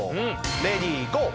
レディーゴー！